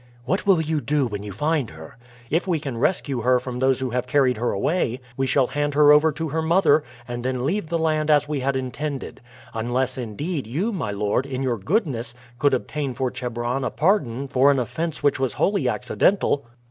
"What will you do when you find her?" "If we can rescue her from those who have carried her away we shall hand her over to her mother, and then leave the land as we had intended. Unless, indeed, you, my lord, in your goodness, could obtain for Chebron a pardon for an offense which was wholly accidental."